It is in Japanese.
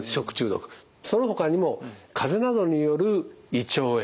そのほかにも風邪などによる胃腸炎。